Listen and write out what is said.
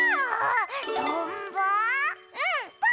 うん！